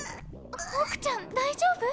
ホークちゃん大丈夫？